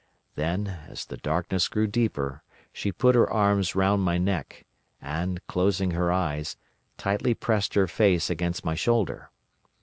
Then, as the darkness grew deeper, she put her arms round my neck, and, closing her eyes, tightly pressed her face against my shoulder.